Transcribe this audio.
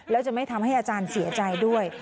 แล้วจะไม่ทำให้อาจารย์เสียใจด้วย